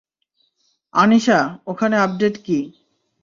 আনিশা, ওখানে আপডেট কী?